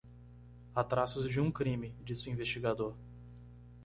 Há traços de um de crime, disse o investigador.